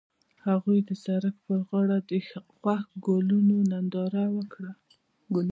هغوی د سړک پر غاړه د خوښ ګلونه ننداره وکړه.